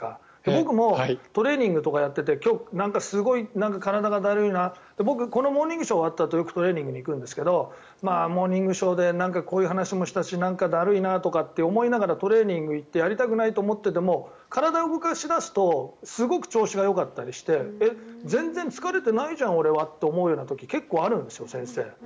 僕もトレーニングとかやっていて今日、なんかすごい体がだるいな僕、「モーニングショー」終わったあとよくトレーニングに行くんですが「モーニングショー」でこういう話もしたしなんかだるいなと思いながらトレーニングに行ってやりたくないと思っていても体を動かし出すとすごく調子がよかったりして全然疲れてないじゃん俺はと思う時が結構あるんですよ、先生。